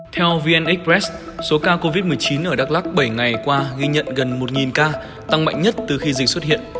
theo vn express số ca covid một mươi chín ở đắk lắc bảy ngày qua ghi nhận gần một ca tăng mạnh nhất từ khi dịch xuất hiện